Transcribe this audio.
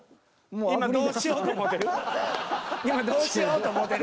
今「どうしよう」と思ってる？